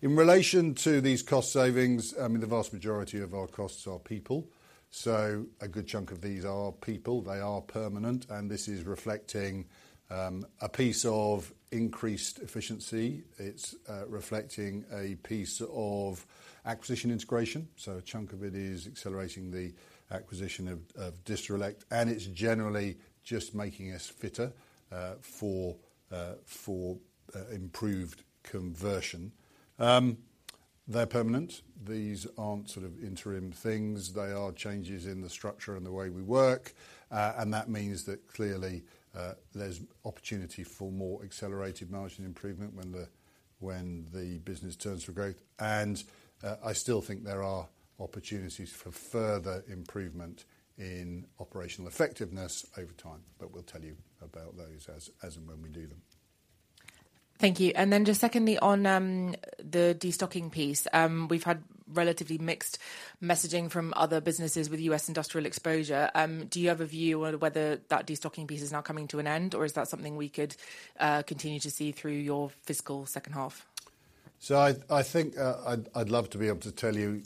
S1: In relation to these cost savings, I mean, the vast majority of our costs are people, so a good chunk of these are people. They are permanent, and this is reflecting a piece of increased efficiency. It's reflecting a piece of acquisition integration, so a chunk of it is accelerating the acquisition of Distrelec, and it's generally just making us fitter for improved conversion. They're permanent. These aren't sort of interim things. They are changes in the structure and the way we work, and that means that clearly, there's opportunity for more accelerated margin improvement when the business turns for growth. And, I still think there are opportunities for further improvement in operational effectiveness over time, but we'll tell you about those as and when we do them.
S4: Thank you. And then just secondly, on the destocking piece, we've had relatively mixed messaging from other businesses with U.S. industrial exposure. Do you have a view on whether that destocking piece is now coming to an end, or is that something we could continue to see through your fiscal second half?
S1: So I think I'd love to be able to tell you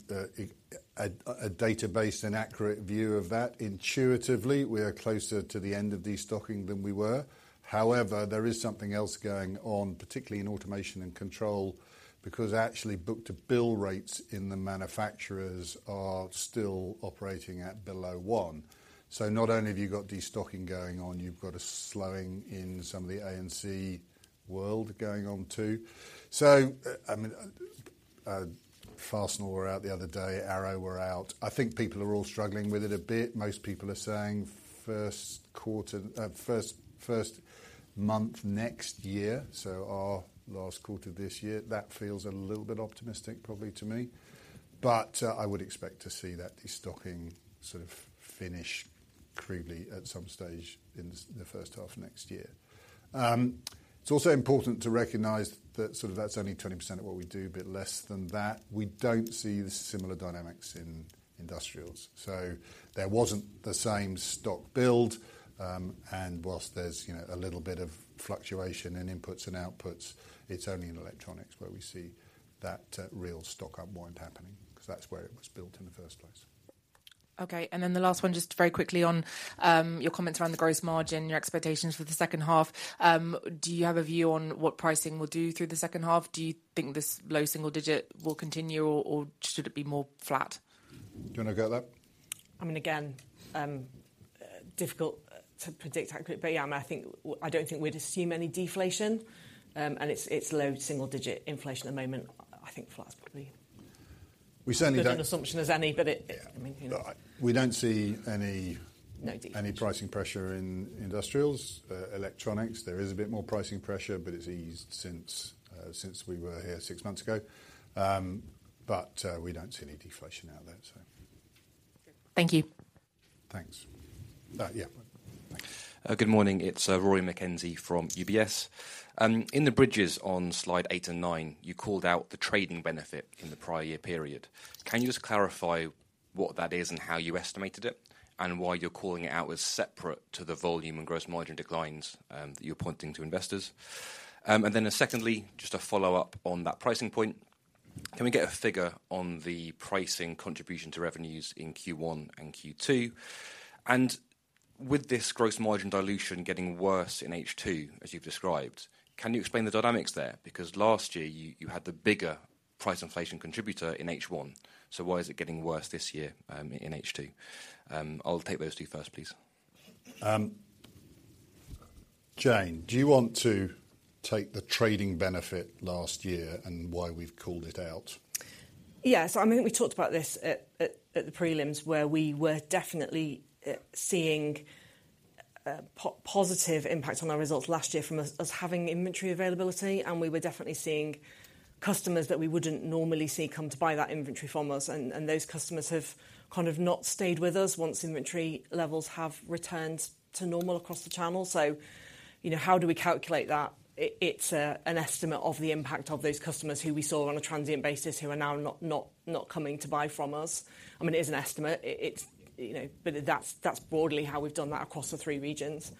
S1: a data-based and accurate view of that. Intuitively, we are closer to the end of destocking than we were. However, there is something else going on, particularly in automation and control, because actually, book-to-bill rates in the manufacturers are still operating at below one. So not only have you got destocking going on, you've got a slowing in some of the A&C world going on, too. So I mean Fastenal were out the other day, Arrow were out. I think people are all struggling with it a bit. Most people are saying first quarter, first month next year, so our last quarter this year. That feels a little bit optimistic, probably to me, but, I would expect to see that destocking sort of finish crudely at some stage in the first half of next year. It's also important to recognize that sort of that's only 20% of what we do, a bit less than that. We don't see the similar dynamics in industrials, so there wasn't the same stock build. And while there's, you know, a little bit of fluctuation in inputs and outputs, it's only in electronics where we see that, real stock unwind happening, because that's where it was built in the first place.
S4: Okay, and then the last one, just very quickly on your comments around the gross margin, your expectations for the second half. Do you have a view on what pricing will do through the second half? Do you think this low single digit will continue, or, or should it be more flat?
S1: Do you want to go at that?
S3: I mean, again, difficult to predict accurately, but yeah, I think, I don't think we'd assume any deflation. And it's, it's low double single digit inflation at the moment. I think flat is probably-
S1: We certainly don't-
S3: as good an assumption as any, but it, I mean...
S1: We don't see any-
S3: No deflation...
S1: any pricing pressure in industrials. Electronics, there is a bit more pricing pressure, but it's eased since we were here six months ago. But we don't see any deflation out there, so.
S4: Thank you.
S1: Thanks. Yeah.
S5: Good morning, it's Rory McKenzie from UBS. In the bridges on slide 8 and 9, you called out the trading benefit in the prior year period. Can you just clarify what that is and how you estimated it, and why you're calling it out as separate to the volume and gross margin declines that you're pointing to investors? And then secondly, just to follow up on that pricing point, can we get a figure on the pricing contribution to revenues in Q1 and Q2? With this gross margin dilution getting worse in H2, as you've described, can you explain the dynamics there? Because last year, you had the bigger price inflation contributor in H1, so why is it getting worse this year in H2? I'll take those two first, please.
S1: Jane, do you want to take the trading benefit last year and why we've called it out?
S3: Yeah. So I mean, we talked about this at the prelims, where we were definitely seeing a positive impact on our results last year from us having inventory availability, and we were definitely seeing customers that we wouldn't normally see come to buy that inventory from us, and those customers have kind of not stayed with us once inventory levels have returned to normal across the channel. So, you know, how do we calculate that? It's an estimate of the impact of those customers who we saw on a transient basis, who are now not coming to buy from us. I mean, it is an estimate. It's, you know, but that's broadly how we've done that across the three regions.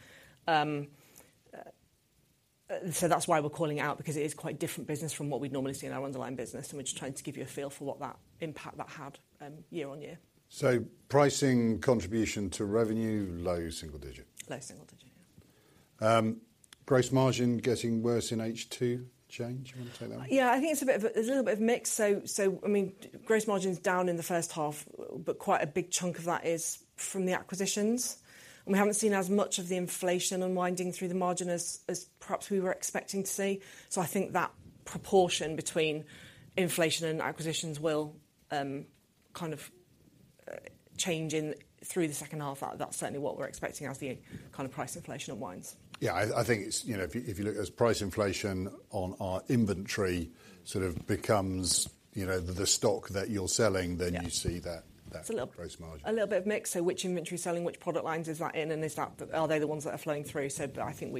S3: So that's why we're calling it out, because it is quite different business from what we'd normally see in our underlying business, and we're just trying to give you a feel for what that impact that had, year-on-year.
S1: Pricing contribution to revenue, low single digit?
S3: Low single digit, yeah.
S1: Gross margin getting worse in H2. Jane, do you want to take that one?
S3: Yeah, I think it's a bit of a... a little bit of mix. So, so I mean, gross margin's down in the first half, but quite a big chunk of that is from the acquisitions, and we haven't seen as much of the inflation unwinding through the margin as, as perhaps we were expecting to see. So I think that proportion between inflation and acquisitions will kind of change in through the second half. That's certainly what we're expecting as the kind of price inflation unwinds.
S1: Yeah, I think it's, you know, if you look at price inflation on our inventory sort of becomes, you know, the stock that you're selling-
S3: Yeah
S1: Then you see that, that gross margin.
S3: It's a little bit of mix. So which inventory selling, which product lines is that in, and is that, are they the ones that are flowing through? So but I think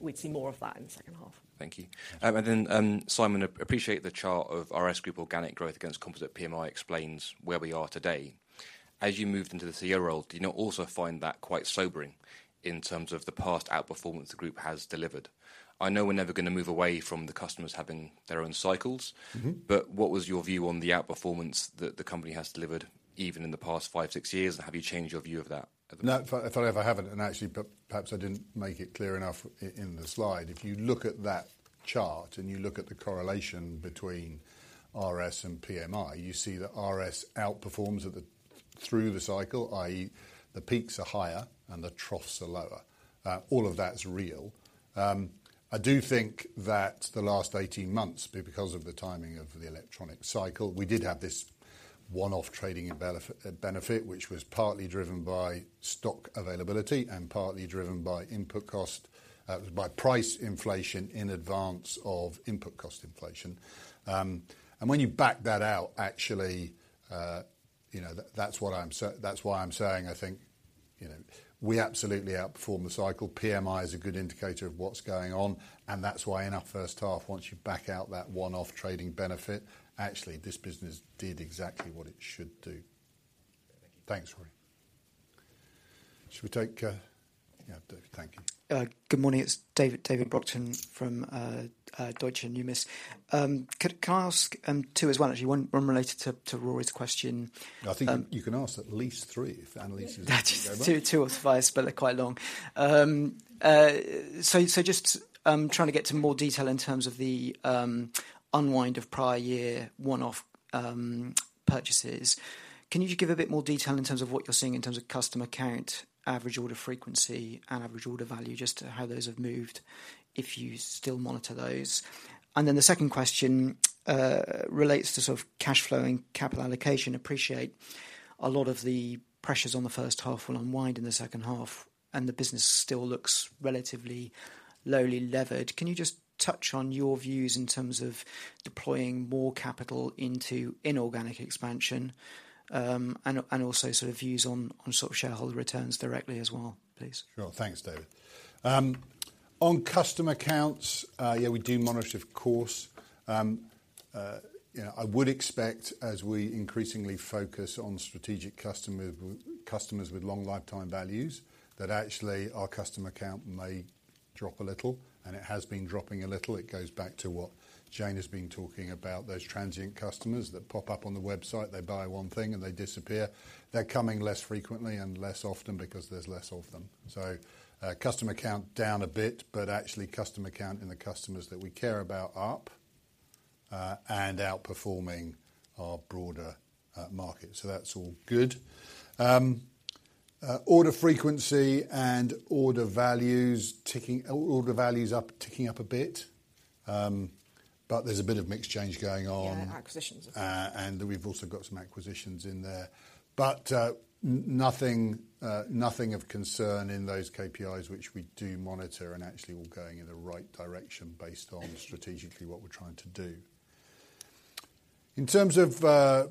S3: we'd see more of that in the second half.
S5: Thank you. And then, Simon, appreciate the chart of RS Group organic growth against Composite PMI explains where we are today. As you moved into this year role, do you not also find that quite sobering in terms of the past outperformance the group has delivered? I know we're never going to move away from the customers having their own cycles-
S1: Mm-hmm...
S5: but what was your view on the outperformance that the company has delivered even in the past five, six years? Have you changed your view of that at the moment?
S1: No, if I ever haven't, and actually, perhaps I didn't make it clear enough in the slide. If you look at that chart, and you look at the correlation between RS and PMI, you see that RS outperforms at the through the cycle, i.e., the peaks are higher and the troughs are lower. All of that's real. I do think that the last 18 months, because of the timing of the electronic cycle, we did have this one-off trading and benefit, which was partly driven by stock availability and partly driven by input cost by price inflation in advance of input cost inflation. And when you back that out, actually, you know, that's what I'm saying that's why I'm saying I think, you know, we absolutely outperform the cycle. PMI is a good indicator of what's going on, and that's why in our first half, once you back out that one-off trading benefit, actually, this business did exactly what it should do.
S5: Thank you.
S1: Thanks, Rory. Should we take... Yeah, David. Thank you.
S6: Good morning. It's David, David Brockton from Deutsche Numis. Can I ask two as well, actually, one related to Rory's question?
S1: I think you can ask at least three if Annelies is going to-
S6: 2, 2 or 3, but they're quite long. So just trying to get to more detail in terms of the unwind of prior year one-off purchases. Can you just give a bit more detail in terms of what you're seeing in terms of customer count, average order frequency, and average order value, just how those have moved, if you still monitor those? And then the second question relates to sort of cash flow and capital allocation. Appreciate a lot of the pressures on the first half will unwind in the second half, and the business still looks relatively lowly levered. Can you just touch on your views in terms of deploying more capital into inorganic expansion, and also sort of views on sort of shareholder returns directly as well, please?
S1: Sure. Thanks, David. On customer accounts, yeah, we do monitor, of course. You know, I would expect, as we increasingly focus on strategic customer, customers with long lifetime values, that actually our customer count may drop a little, and it has been dropping a little. It goes back to what Jane has been talking about, those transient customers that pop up on the website, they buy one thing, and they disappear. They're coming less frequently and less often because there's less of them. So, customer count down a bit, but actually customer count in the customers that we care about are up, and outperforming our broader, market. So that's all good. Order frequency and order values ticking, order values up, ticking up a bit, but there's a bit of mix change going on.
S3: Yeah, acquisitions.
S1: And we've also got some acquisitions in there, but, nothing of concern in those KPIs, which we do monitor, and actually, all going in the right direction based on strategically what we're trying to do. In terms of,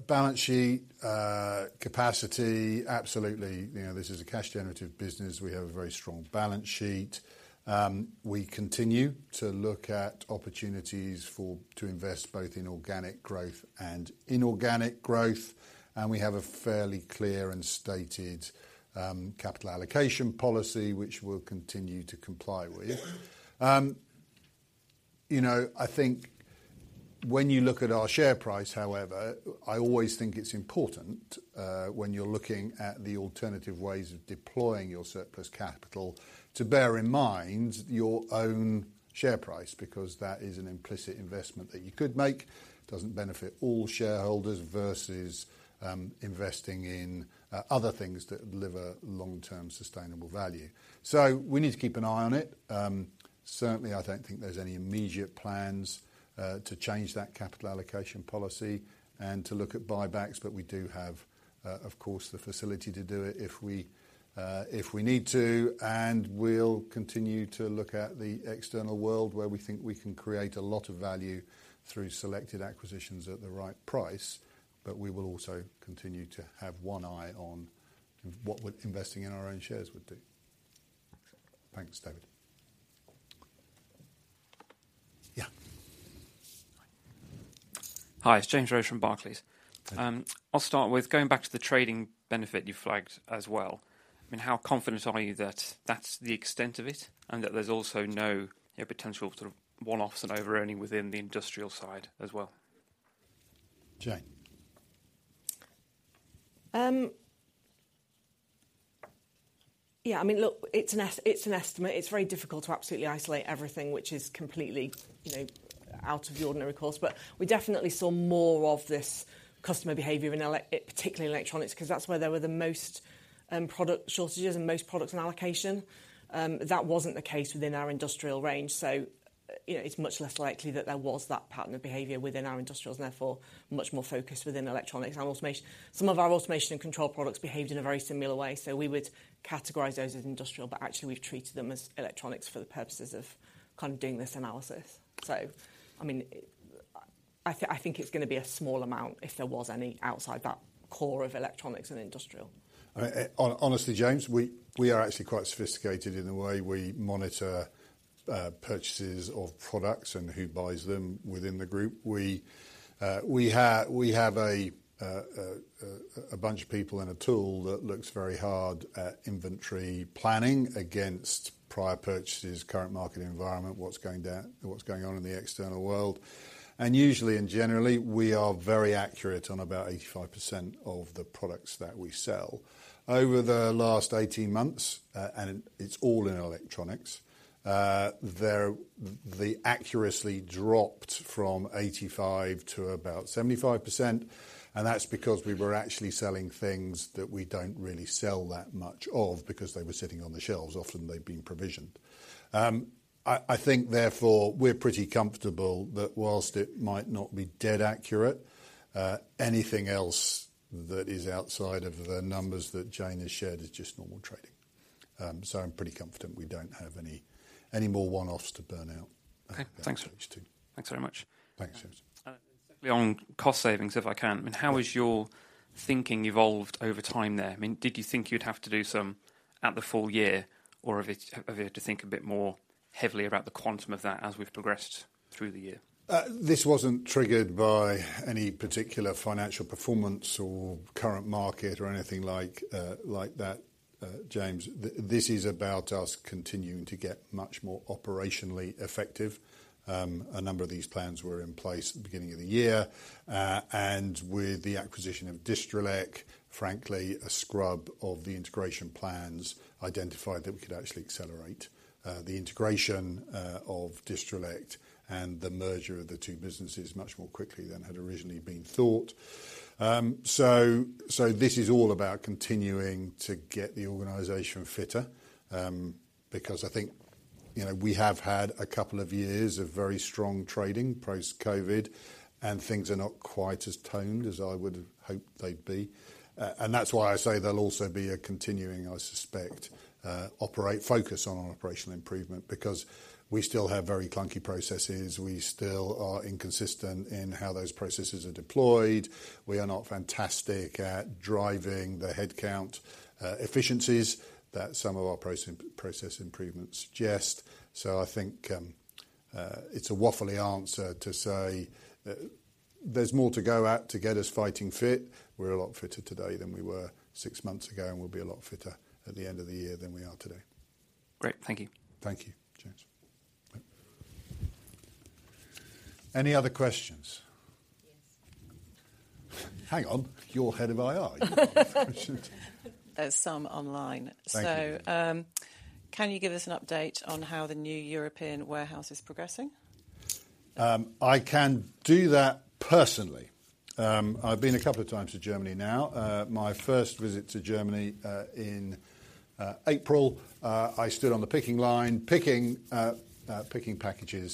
S1: balance sheet, capacity, absolutely, you know, this is a cash generative business. We have a very strong balance sheet. We continue to look at opportunities for, to invest both in organic growth and inorganic growth, and we have a fairly clear and stated, capital allocation policy, which we'll continue to comply with. You know, I think when you look at our share price, however, I always think it's important, when you're looking at the alternative ways of deploying your surplus capital, to bear in mind your own share price, because that is an implicit investment that you could make. It doesn't benefit all shareholders versus investing in other things that deliver long-term sustainable value. So we need to keep an eye on it. Certainly, I don't think there's any immediate plans to change that capital allocation policy and to look at buybacks, but we do have, of course, the facility to do it if we need to, and we'll continue to look at the external world where we think we can create a lot of value through selected acquisitions at the right price, but we will also continue to have one eye on what would investing in our own shares would do. Thanks, David. Yeah?
S7: Hi, it's James Roach from Barclays.
S1: Hey.
S8: I'll start with going back to the trading benefit you flagged as well. I mean, how confident are you that that's the extent of it, and that there's also no, you know, potential sort of one-offs and overearning within the industrial side as well?
S1: Jane?
S3: Yeah, I mean, look, it's an estimate. It's very difficult to absolutely isolate everything which is completely, you know, out of the ordinary course. But we definitely saw more of this customer behavior in electronics, particularly in electronics, 'cause that's where there were the most product shortages and most products in allocation. That wasn't the case within our industrial range, so, you know, it's much less likely that there was that pattern of behavior within our industrials, and therefore, much more focused within electronics and automation. Some of our automation and control products behaved in a very similar way, so we would categorize those as industrial, but actually we've treated them as electronics for the purposes of kind of doing this analysis. So, I mean, I think it's gonna be a small amount if there was any outside that core of electronics and industrial.
S1: Honestly, James, we are actually quite sophisticated in the way we monitor purchases of products and who buys them within the group. We have a bunch of people and a tool that looks very hard at inventory planning against prior purchases, current market environment, what's going down, what's going on in the external world. Usually, generally, we are very accurate on about 85% of the products that we sell. Over the last 18 months, and it's all in electronics, the accuracy dropped from 85% to about 75%, and that's because we were actually selling things that we don't really sell that much of, because they were sitting on the shelves. Often, they've been provisioned. I think, therefore, we're pretty comfortable that whilst it might not be dead accurate, anything else that is outside of the numbers that Jane has shared is just normal trading. So I'm pretty confident we don't have any more one-offs to burn out.
S7: Okay, thanks so much.
S1: Thanks.
S7: Thanks very much.
S1: Thanks, James.
S7: On cost savings, if I can, I mean, how has your thinking evolved over time there? I mean, did you think you'd have to do some at the full year, or have you had to think a bit more heavily about the quantum of that as we've progressed through the year?
S1: This wasn't triggered by any particular financial performance or current market or anything like, like that, James. This is about us continuing to get much more operationally effective. A number of these plans were in place at the beginning of the year, and with the acquisition of Distrelec, frankly, a scrub of the integration plans identified that we could actually accelerate the integration of Distrelec and the merger of the two businesses much more quickly than had originally been thought. So, so this is all about continuing to get the organization fitter, because I think, you know, we have had a couple of years of very strong trading post-COVID, and things are not quite as toned as I would have hoped they'd be. And that's why I say there'll also be a continuing, I suspect, focus on operational improvement, because we still have very clunky processes. We still are inconsistent in how those processes are deployed. We are not fantastic at driving the headcount efficiencies that some of our process improvements suggest. So I think, it's a waffly answer to say that there's more to go at to get us fighting fit. We're a lot fitter today than we were six months ago, and we'll be a lot fitter at the end of the year than we are today.
S7: Great. Thank you.
S1: Thank you, James. Bye. Any other questions?
S9: Yes.
S1: Hang on, you're head of IR.
S9: There's some online.
S1: Thank you.
S9: Can you give us an update on how the new European warehouse is progressing?
S1: I can do that personally. I’ve been a couple of times to Germany now. My first visit to Germany in April, I stood on the picking line, picking packages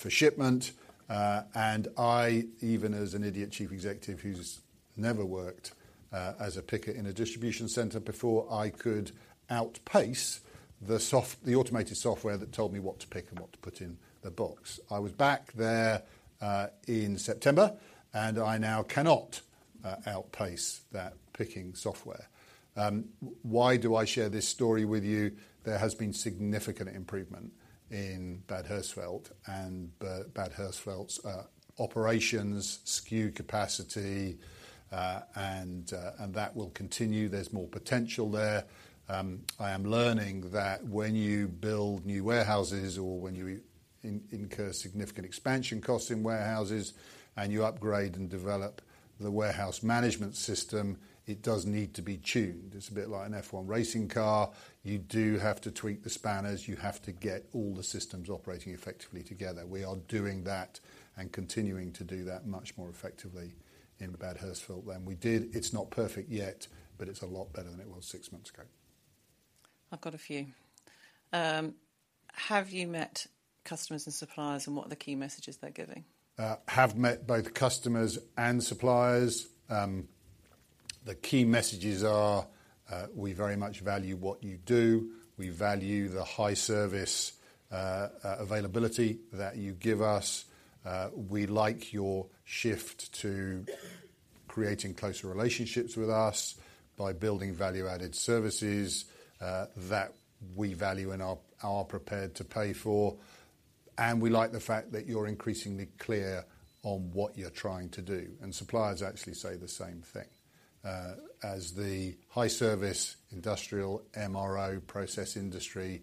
S1: for shipment. And I, even as an idiot chief executive who’s never worked as a picker in a distribution center before, I could outpace the automated software that told me what to pick and what to put in a box. I was back there in September, and I now cannot outpace that picking software. Why do I share this story with you? There has been significant improvement in Bad Hersfeld, and Bad Hersfeld’s operations, SKU capacity, and that will continue. There’s more potential there. I am learning that when you build new warehouses or when you incur significant expansion costs in warehouses, and you upgrade and develop the warehouse management system, it does need to be tuned. It's a bit like an F1 racing car. You do have to tweak the spanners. You have to get all the systems operating effectively together. We are doing that and continuing to do that much more effectively in Bad Hersfeld than we did. It's not perfect yet, but it's a lot better than it was six months ago.
S9: I've got a few. Have you met customers and suppliers, and what are the key messages they're giving?
S1: Have met both customers and suppliers. The key messages are, we very much value what you do. We value the high service, availability that you give us. We like your shift to creating closer relationships with us by building value-added services, that we value and are, are prepared to pay for, and we like the fact that you're increasingly clear on what you're trying to do. Suppliers actually say the same thing. As the high-service industrial MRO process industry,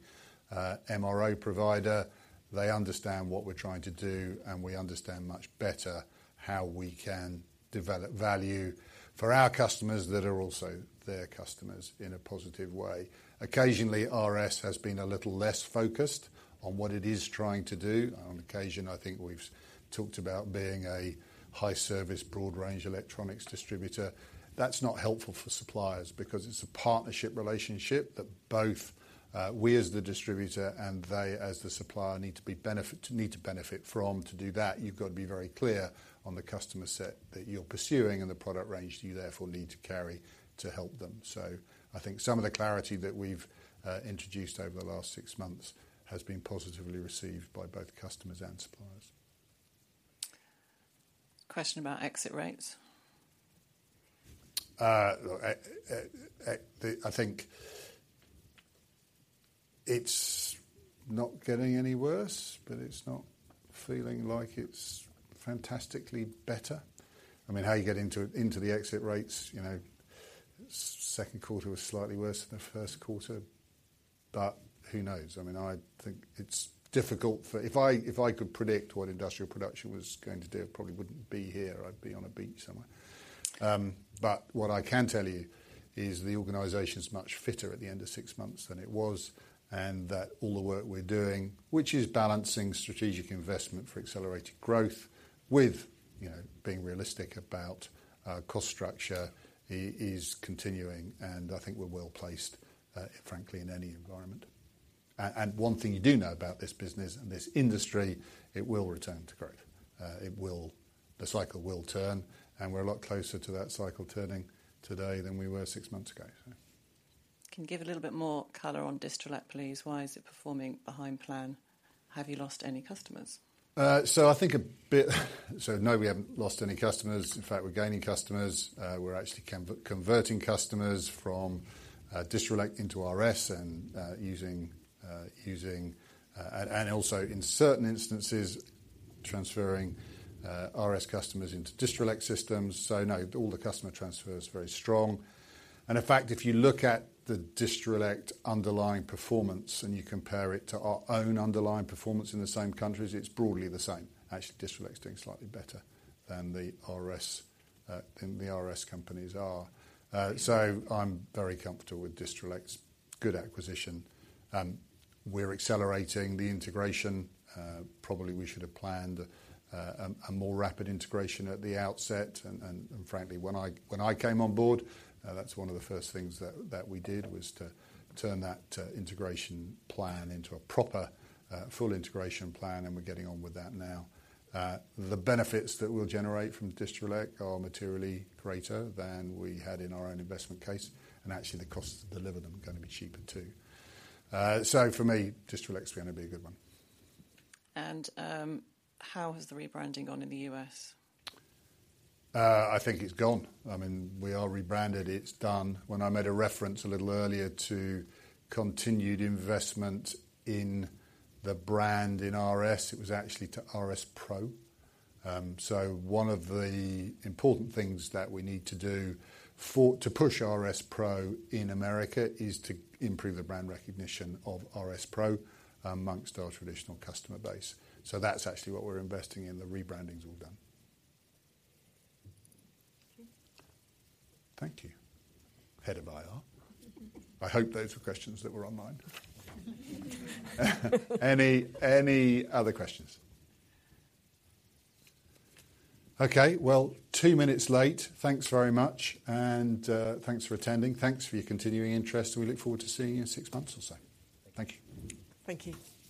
S1: MRO provider, they understand what we're trying to do, and we understand much better how we can develop value for our customers that are also their customers in a positive way. Occasionally, RS has been a little less focused on what it is trying to do. On occasion, I think we've talked about being a high-service, broad-range electronics distributor. That's not helpful for suppliers because it's a partnership relationship that both we, as the distributor, and they, as the supplier, need to benefit from. To do that, you've got to be very clear on the customer set that you're pursuing and the product range you therefore need to carry to help them. So I think some of the clarity that we've introduced over the last six months has been positively received by both customers and suppliers.
S9: Question about exit rates.
S1: Look, I think it's not getting any worse, but it's not feeling like it's fantastically better. I mean, how you get into the exit rates, you know, second quarter was slightly worse than the first quarter, but who knows? I mean, I think it's difficult for... If I could predict what industrial production was going to do, I probably wouldn't be here. I'd be on a beach somewhere. But what I can tell you is the organization's much fitter at the end of six months than it was, and that all the work we're doing, which is balancing strategic investment for accelerated growth with, you know, being realistic about cost structure, is continuing, and I think we're well placed, frankly, in any environment. And one thing you do know about this business and this industry, it will return to growth. It will... The cycle will turn, and we're a lot closer to that cycle turning today than we were six months ago, so.
S9: Can you give a little bit more color on Distrelec, please? Why is it performing behind plan? Have you lost any customers?
S1: So I think a bit. So no, we haven't lost any customers. In fact, we're gaining customers. We're actually cross-converting customers from Distrelec into RS and using... And also in certain instances, transferring RS customers into Distrelec systems. So no, all the customer transfer is very strong. And in fact, if you look at the Distrelec underlying performance, and you compare it to our own underlying performance in the same countries, it's broadly the same. Actually, Distrelec's doing slightly better than the RS, than the RS companies are. So I'm very comfortable with Distrelec's good acquisition. We're accelerating the integration. Probably we should have planned a more rapid integration at the outset. Frankly, when I came on board, that's one of the first things that we did was to turn that integration plan into a proper full integration plan, and we're getting on with that now. The benefits that we'll generate from Distrelec are materially greater than we had in our own investment case, and actually, the costs to deliver them are going to be cheaper, too. So for me, Distrelec's going to be a good one.
S9: How has the rebranding gone in the U.S.?
S1: I think it's gone. I mean, we are rebranded. It's done. When I made a reference a little earlier to continued investment in the brand in RS, it was actually to RS Pro. So one of the important things that we need to do to push RS Pro in America is to improve the brand recognition of RS Pro amongst our traditional customer base. So that's actually what we're investing in. The rebranding is all done.
S9: Thank you.
S1: Thank you, head of IR. I hope those were questions that were online. Any, any other questions? Okay, well, two minutes late. Thanks very much, and thanks for attending. Thanks for your continuing interest, and we look forward to seeing you in six months or so. Thank you.
S9: Thank you.